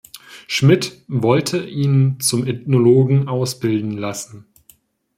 Schmidt wollte ihn zum Ethnologen ausbilden lassen.